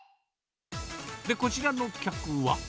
で、こちらの客は。